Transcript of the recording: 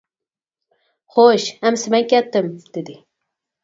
خوش، ئەمىسە مەن كەتتىم. ، دېدى.